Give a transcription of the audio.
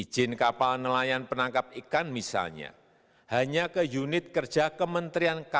ijin kapal nelayan penangkap ikan misalnya hanya ke unit kerja kementerian kkp saja